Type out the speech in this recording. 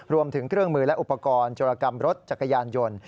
รวมถึงเครื่องมือและอุปกรณ์จรกรรมรถจักรยานยนต์